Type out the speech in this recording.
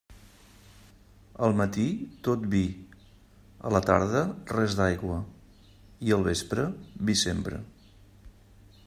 Al matí, tot vi; a la tarda, res d'aigua, i al vespre, vi sempre.